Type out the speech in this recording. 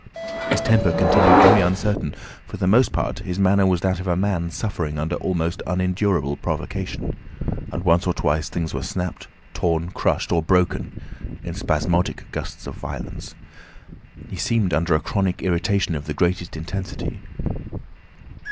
His temper continued very uncertain; for the most part his manner was that of a man suffering under almost unendurable provocation, and once or twice things were snapped, torn, crushed, or broken in spasmodic gusts of violence. He seemed under a chronic irritation of the greatest intensity.